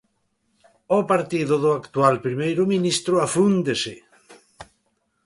O partido do actual primeiro ministro afúndese.